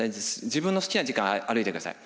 自分の好きな時間歩いてください。